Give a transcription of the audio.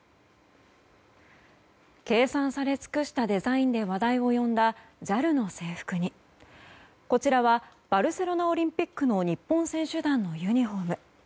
計算されつくしたデザインで話題を呼んだＪＡＬの制服にバルセロナオリンピックの日本選手団のユニホーム。